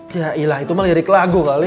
jailah itu melirik lagu kali